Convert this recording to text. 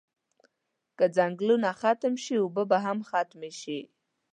که ځنګلونه ختم شی اوبه به هم ختمی شی